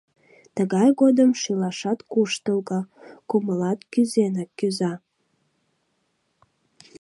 Тыгай годым шӱлашат куштылго, кумылат кӱзенак кӱза.